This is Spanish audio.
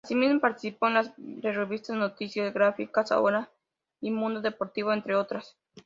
Asimismo participó en las revistas "Noticias Gráficas", "Ahora" y "Mundo Deportivo", entre otras.